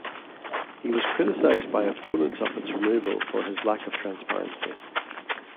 He was criticized by opponents of its removal for his lack of transparency.